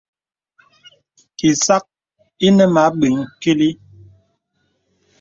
Ìsak ìnə mə abəŋ kìlì.